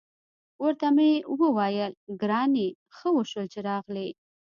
ورته مې وویل: ګرانې، ښه وشول چې راغلې.